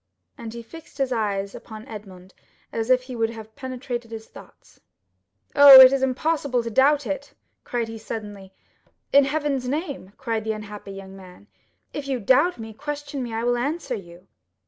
And he fixed his eyes upon Edmond as if he would have penetrated his thoughts. "Oh, it is impossible to doubt it," cried he, suddenly. "In heaven's name!" cried the unhappy young man, "if you doubt me, question me; I will answer you."